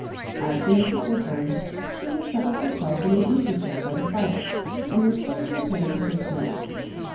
As for Mrs. Woodbum, she had settl^ herself ui an easy chair by the fire, and was fully prepared to take notes.